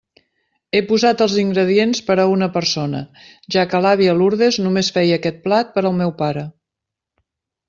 He posat els ingredients per a una persona, ja que l'àvia Lourdes només feia aquest plat per al meu pare.